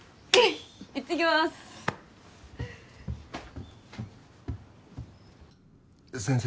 行ってきます先生